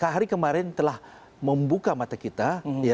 hari kemarin telah membuka mata kita